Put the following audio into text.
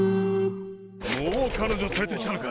もう彼女連れてきたのか！